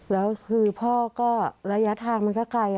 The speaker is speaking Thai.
แล้วคือพ่อก็ระยะทางมันก็ไกล